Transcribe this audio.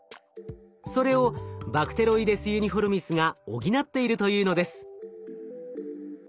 それをバクテロイデス・ユニフォルミスが補っているというのです。